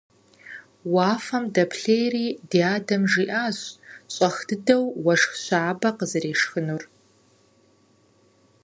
Уафэм дэплъейри ди адэм жиӏащ щӏэх дыдэу уэшх щабэ къызэрешхынур.